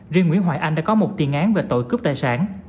riêng nguyễn hoài anh đã có một tiền án về tội cướp tài sản